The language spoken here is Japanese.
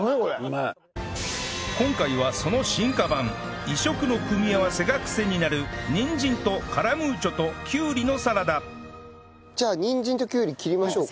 今回はその進化版異色の組み合わせがクセになるにんじんとカラムーチョときゅうりのサラダじゃあにんじんときゅうり切りましょうか。